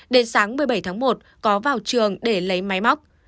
đến sáng một mươi bảy tháng một có vào trường để lấy máy móc